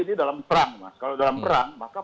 ini dalam perang mas kalau dalam perang maka